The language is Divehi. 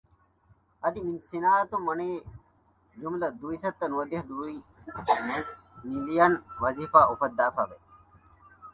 އަދި މި ޞިނާޢަތުން ވަނީ ޖުމުލަ ދުވިސައްތަ ނުވަދިހަ ދުވި މިލިއަން ވަޒީފާ އުފައްދާފައި ވެ